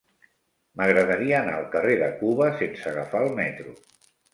M'agradaria anar al carrer de Cuba sense agafar el metro.